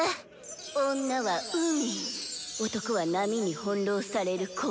女は海男は波に翻弄される小舟。